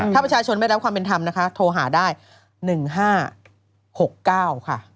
ถ้าประชาชนไม่รับความเป็นธรรมนะคะโทรหาได้๑๕๖๙ค่ะ